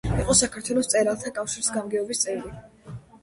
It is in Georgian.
იყო საქართველოს მწერალთა კავშირის გამგეობის წევრი.